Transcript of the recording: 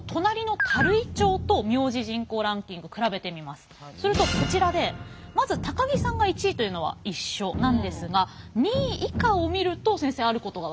するとこちらでまず高木さんが１位というのは一緒なんですが２位以下を見ると先生あることが分かるんですよね？